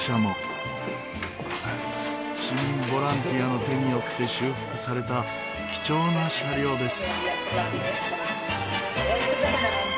市民ボランティアの手によって修復された貴重な車両です。